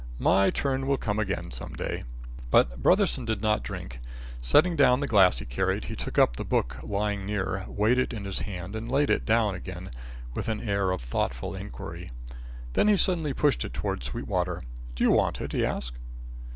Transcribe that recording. My turn will come again some day." But Brotherson did not drink. Setting down the glass he carried, he took up the book lying near, weighed it in his hand and laid it down again, with an air of thoughtful inquiry. Then he suddenly pushed it towards Sweetwater. "Do you want it?" he asked.